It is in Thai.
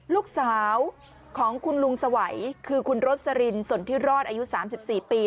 ลูกสาวของคุณลุงสวัยคือคุณรสรินสนทิรอดอายุ๓๔ปี